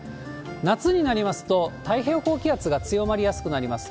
夏になりますと、太平洋高気圧が強まりやすくなります。